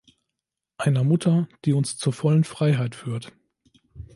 Einer Mutter, die uns zur vollen Freiheit führt.